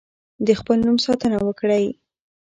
د خپل نوم ساتنه وکړئ.